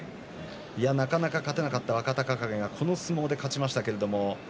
なかなか勝てなかった若隆景がこの相撲で勝ちました。